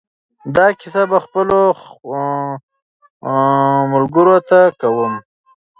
دا کیسه به زه خپلو ملګرو ته کوم.